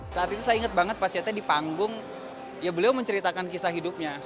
saat itu saya ingat banget pak cete di panggung ya beliau menceritakan kisah hidupnya